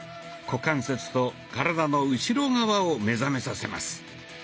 股関節と体の後ろ側を目覚めさせます。